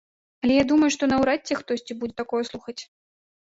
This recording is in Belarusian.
Але я думаю, што наўрад ці хтосьці будзе такое слухаць.